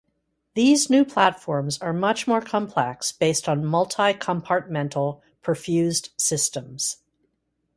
These new platforms are much more complex based on multi-compartmental perfused systems.